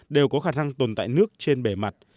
đều có khả năng tồn tại nước trên bề mặt